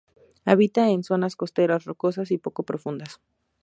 Habita en zonas costeras rocosas y poco profundas.